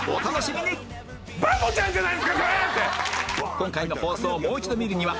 今回の放送をもう一度見るには ＴＶｅｒ で